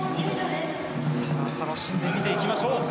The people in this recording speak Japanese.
楽しんで見ていきましょう。